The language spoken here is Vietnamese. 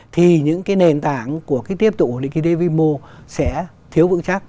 thì những cái nền tảng của cái tiếp tục của nền kinh tế vi mô sẽ thiếu vững chắc